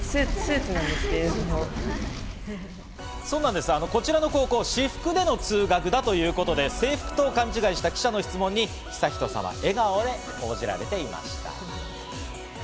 そうなんです、こちらの高校、私服での通学だということで、制服と勘違いした記者の質問に悠仁さまは笑顔で応じられていました。